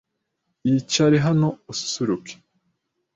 Iyicare hano ususuruke.